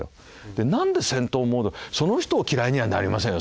で何で戦闘モードその人を嫌いにはなりませんよ